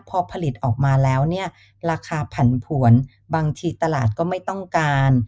พอผลิตออกมาแล้วเนี่ยราคาผันผวนบางทีตลาดก็ไม่ต้องการ